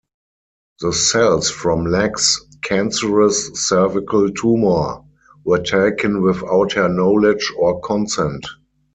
The cells from Lacks' cancerous cervical tumor were taken without her knowledge or consent.